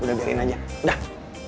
udah biarin aja udah